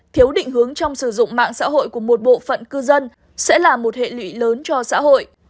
thiếu định hướng trong sử dụng mạng xã hội của một bộ phận cư dân sẽ là một hệ lụy lớn cho xã hội